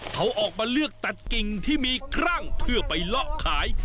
เขาออกมาเลือกตัดกิ่งที่มีครั่งเพื่อไปเลาะขาย